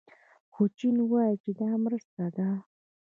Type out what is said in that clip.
خو چین وايي چې دا مرسته ده.